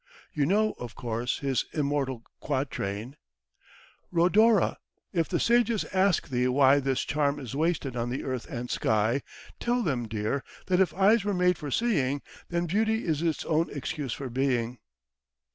You know, of course, his immortal quatrain, Rhodora! if the sages ask thee why This charm is wasted on the earth and sky, Tell them, dear, that if eyes were made for seeing, Then Beauty is its own excuse for being.